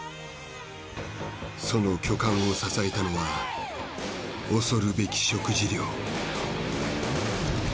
その巨漢を支えたのは恐るべき食事量。